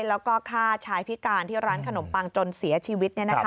แล้วก็ฆ่าชายพิการที่ร้านขนมปังจนเสียชีวิต